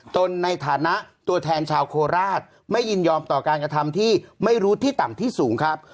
ตนในฐานะตัวแทนชาวโคราชไม่ยินยอมต่อการกระทำที่ไม่รู้ที่ต่ำที่สูงครับ